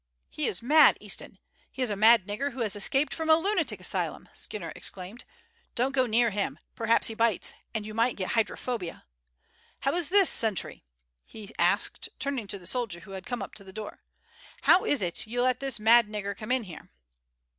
"He is mad, Easton; he is a mad nigger who has escaped from a lunatic asylum!" Skinner exclaimed. "Don't go near him; perhaps he bites, and you might get hydrophobia. How is this, sentry?" he asked, turning to the soldier, who had come up to the door. "How is it you let this mad nigger come in here?"